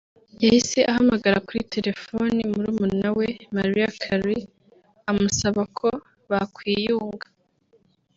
yahise ahamagara kuri telefoni murumuna we Mariah Carey amusaba ko bakwiyunga